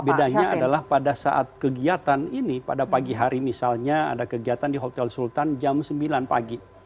bedanya adalah pada saat kegiatan ini pada pagi hari misalnya ada kegiatan di hotel sultan jam sembilan pagi